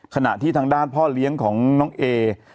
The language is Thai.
ขณะที่ทางด้านพ่อเลี้ยงของน้องเอ